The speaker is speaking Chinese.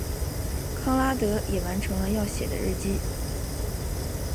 康拉德也完成了要写的日记。